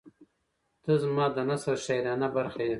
• ته زما د نثر شاعرانه برخه یې.